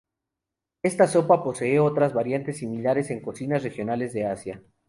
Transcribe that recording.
Esta sopa posee otras variantes similares en cocinas regionales de Asia.